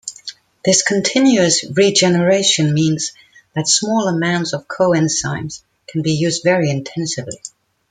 This continuous regeneration means that small amounts of coenzymes can be used very intensively.